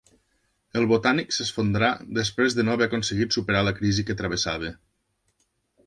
El Botànic s'esfondrà després de no haver aconseguit superar la crisi que travessava